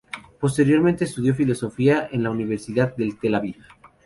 Posteriormente estudió filosofía en la Universidad de Tel Aviv.